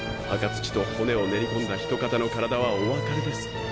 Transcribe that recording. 墓土と骨を練り込んだ人形の体はお別れです。